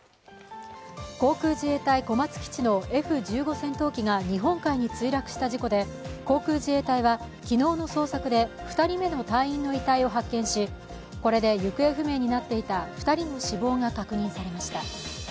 航空自衛隊小松基地のＦ１５戦闘機が日本海に墜落した事故で、航空自衛隊は、昨日の捜索で２人目の隊員の遺体を発見し、これで行方不明になっていた２人の死亡が確認されました。